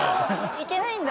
いけないんだ。